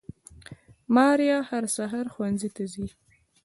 ماريه هر سهار ښوونځي ته ځي